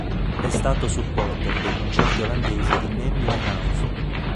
È stato supporter dei concerti olandesi di Amy Winehouse.